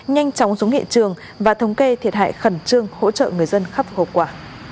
nhanh chóng xuống nghệ trường và thống kê thiệt hại khẩn trương hỗ trợ người dân khắp hợp quả